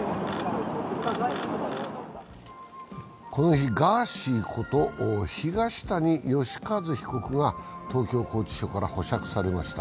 この日、ガーシーこと東谷義和被告が東京拘置所から保釈されました。